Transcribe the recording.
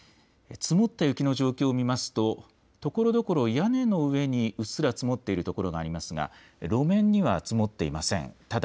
積もった雪の状況を見ますとところどころ屋根の上にうっすら積もっている所がありますが路面には積もっていませんただ。